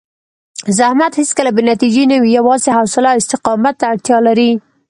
زحمت هېڅکله بې نتیجې نه وي، یوازې حوصله او استقامت ته اړتیا لري.